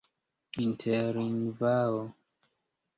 interlingvao